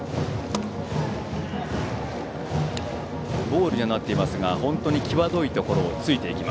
ボールにはなっていますが本当に際どいところをついてくる